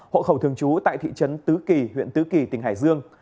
hộ khẩu thường trú tại thị trấn tứ kỳ huyện tứ kỳ tỉnh hải dương